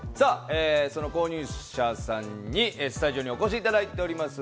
その購入者さんにスタジオにお越しいただいております。